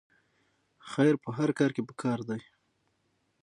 خیر په هر کار کې پکار دی